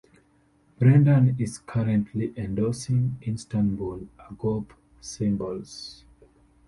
Brendan is currently endorsing Istanbul Agop Cymbals.